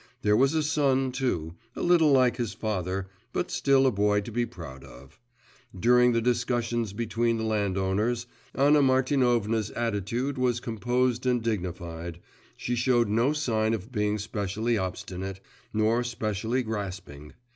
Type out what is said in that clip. There was a son, too, a little like his father, but still a boy to be proud of! During the discussions between the landowners, Anna Martinovna's attitude was composed and dignified, she showed no sign of being specially obstinate, nor specially grasping.